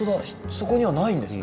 そこにはないんですね。